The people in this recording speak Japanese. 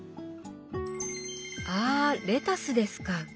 あレタスですか。